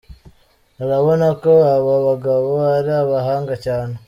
urabona ko aba bagabo ari abahanga cyane.